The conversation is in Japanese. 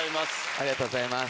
ありがとうございます。